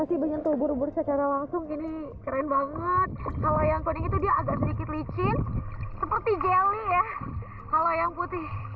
ini jeli ya kalau yang putih